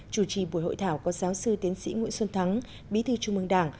chủ trì buổi hội thảo có giáo sư tiến sĩ nguyễn xuân thắng bí thư trung mương đảng